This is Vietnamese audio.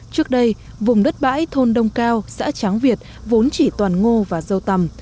trước đây vùng đất bãi thôn đông cao xã tráng việt vốn chỉ toàn ngô và dâu tầm